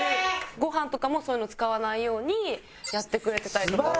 ごはんとかもそういうのを使わないようにやってくれてたりとか。